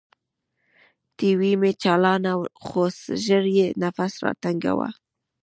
ټي وي مې چالاناوه خو ژر يې نفس راتنګاوه.